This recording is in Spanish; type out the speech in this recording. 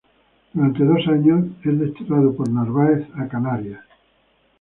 Durante dos años es desterrado por Narváez en Canarias.